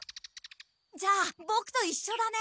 じゃあボクといっしょだね！